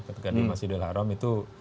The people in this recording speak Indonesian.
ketika di masjidil haram itu